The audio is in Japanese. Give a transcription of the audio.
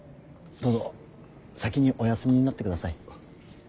どうぞ先にお休みになってください。